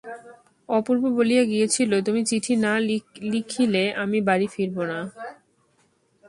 অপূর্ব বলিয়া গিয়াছিল, তুমি চিঠি না লিখিলে আমি বাড়ি ফিরিব না।